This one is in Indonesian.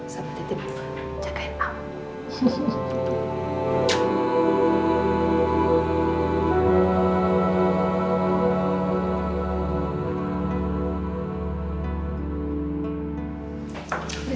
sama titik jagain mama